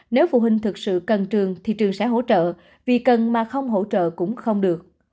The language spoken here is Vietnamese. nếu phụ huynh thực sự cần trường thì trường sẽ hỗ trợ vì cần mà không hỗ trợ cũng không được